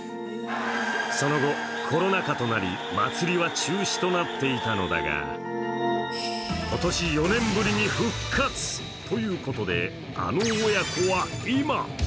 その後、コロナ禍となり祭りは中止となっていたのだが、今年４年ぶりに復活ということであの親子は今！？